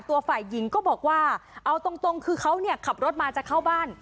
ตัวฝ่ายหญิงก็บอกว่าเอาตรงคือเขาเนี่ยขับรถมาจะเข้าบ้าน